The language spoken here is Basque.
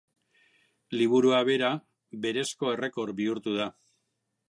Liburua bera berezko errekor bihurtu da.